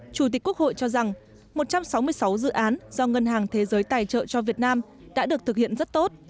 chủ tịch quốc hội cho rằng một trăm sáu mươi sáu dự án do ngân hàng thế giới tài trợ cho việt nam đã được thực hiện rất tốt